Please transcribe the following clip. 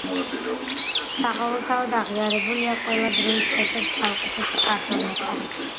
საყოველთაოდ აღიარებულია ყველა დროის ერთ-ერთ საუკეთესო ქართველ მეკარედ.